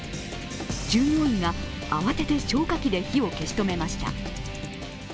従業員が慌てて消火器で火を消し止めました。